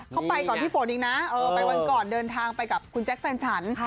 เขาไปก่อนพี่ฝนอีกนะไปวันก่อนเดินทางไปกับคุณแจ๊คแฟนฉัน